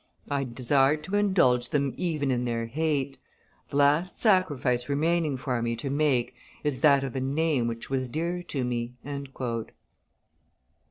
I desire to indulge them even in their hate; the last sacrifice remaining for me to make is that of a name which was dear to me."